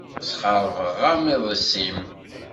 Sxeṛbeɣ-am iḍes-im.